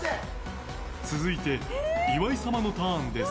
続いて、岩井様のターンです。